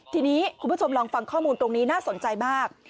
ทีนี้คุณผู้ชมลองฟังข้อมูลตรงนี้น่าสนใจมาก